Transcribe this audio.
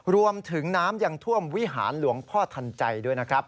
รวมถึงน้ำยังท่วมวิหารหลวงพ่อทันใจด้วยนะครับ